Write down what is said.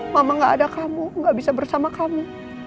mama gak ada kamu gak bisa bersama kamu